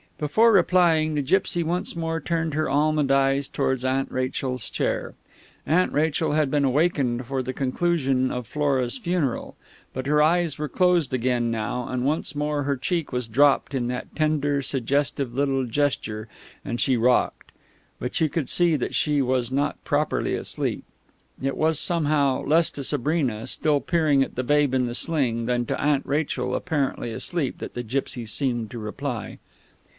Before replying, the gipsy once more turned her almond eyes towards Aunt Rachel's chair. Aunt Rachel had been awakened for the conclusion of Flora's funeral, but her eyes were closed again now, and once more her cheek was dropped in that tender suggestive little gesture, and she rocked. But you could see that she was not properly asleep.... It was, somehow, less to Sabrina, still peering at the babe in the sling, than to Aunt Rachel, apparently asleep, that the gipsy seemed to reply.